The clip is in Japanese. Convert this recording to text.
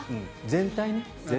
全体ね。